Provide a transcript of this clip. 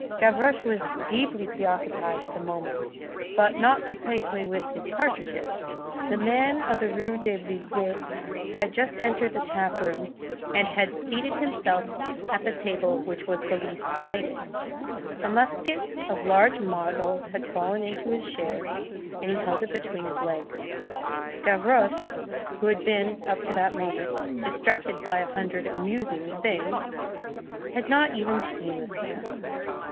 Gavroche was deeply preoccupied at that moment, but not precisely with his cartridges. The man of the Rue des Billettes had just entered the tap room and had seated himself at the table which was the least lighted. A musket of large model had fallen to his share, and he held it between his legs. Gavroche, who had been, up to that moment, distracted by a hundred "amusing" things, had not even seen this man.